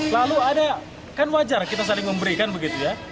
lalu ada kan wajar kita saling memberikan begitu ya